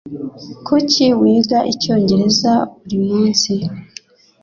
Kuki wiga icyongereza buri munsi?